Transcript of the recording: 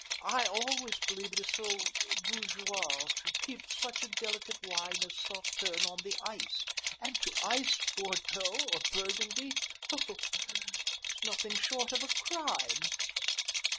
I always believe it is so bourgeois to keep such a delicate wine as Sauterne on the ice, and to ice Bordeaux or Burgundy oh, it is nothing short of a crime."